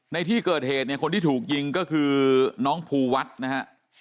ในที่เกิดเหตุเนี่ยคนที่ถูกยิงก็คือน้องภูวัฒน์นะฮะ